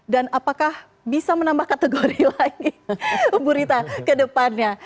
dan apakah bisa menambah kategori lagi bu rita ke depannya